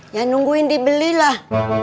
ya nungguin dibelilah